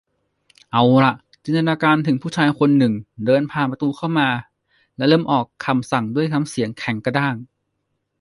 เอาหล่ะ จินตนาการถึงผู้ชายคนหนึ่งเดินผ่านประตูเข้ามา และเริ่มออกคำสั่งด้วยสำเนียงแข็งกระด้าง